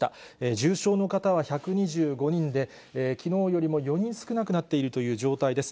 重症の方は１２５人で、きのうよりも４人少なくなっているという状態です。